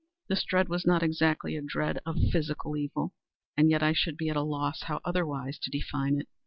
This dread was not exactly a dread of physical evil—and yet I should be at a loss how otherwise to define it.